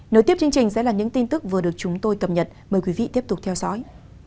nối tiếp chương trình sẽ là những tin tức vừa được chúng tôi cập nhật mời quý vị tiếp tục theo dõi